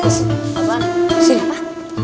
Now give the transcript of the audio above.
aku punya ide